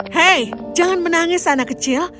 hei jangan menangis anak kecil